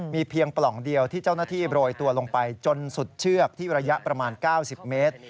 มีเพียงปล่องเดียวที่เจ้าหน้าที่โรยตัวลงไปจนสุดเชือกที่ระยะประมาณ๙๐เมตร